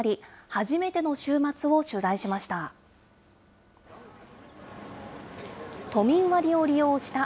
初めての週末を取材しました。